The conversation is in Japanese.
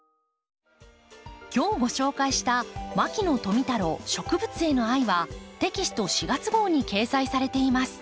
今日ご紹介した「牧野富太郎植物への愛」はテキスト４月号に掲載されています。